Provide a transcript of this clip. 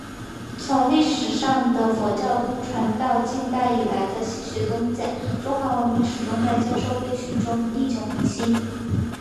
从历史上的佛教东传……到近代以来的“西学东渐”……中华文明始终在兼收并蓄中历久弥新。